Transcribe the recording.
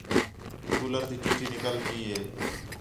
کُولر تی ٹوٹی نِکل پئی ہے